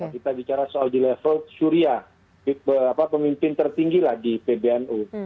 kita bicara soal di level suria pemimpin tertinggi lagi pbnu